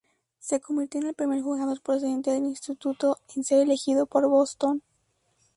Se convirtió en el primer jugador procedente del instituto en ser elegido por Boston.